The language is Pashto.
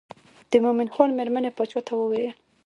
د مومن خان مېرمنې باچا ته وویل.